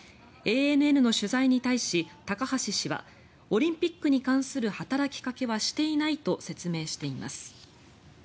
ＡＮＮの取材に対し高橋氏はオリンピックに関する働きかけはしていないと説明しています。